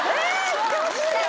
行ってほしい！